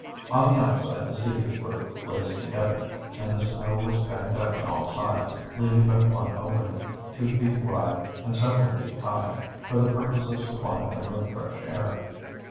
On the outside the cedars were laced together, and the snow was banked up on all sides, leaving but one opening, two feet wide and several feet high, for the purpose of supplying them with fresh air.